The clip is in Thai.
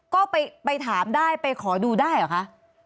ก็ไปถามได้ไปขอดูได้เหรอคะ